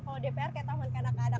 kalau dpr kayak tahan kadang kadang